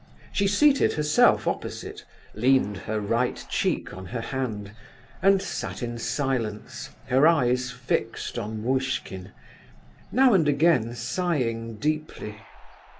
She seated herself opposite, leaned her right cheek on her hand, and sat in silence, her eyes fixed on Muishkin, now and again sighing deeply.